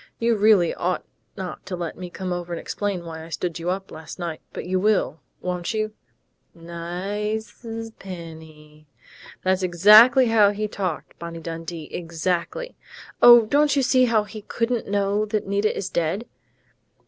You really ought not to let me come over and explain why I stood you up last night, but you will, won't you?... Ni i ze Penny!...' That's exactly how he talked, Bonnie Dundee! Exactly! _Oh, don't you see he couldn't know that Nita is dead?